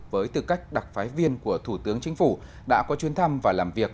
với tư cách đặc phái viên của thủ tướng chính phủ đã có chuyến thăm và làm việc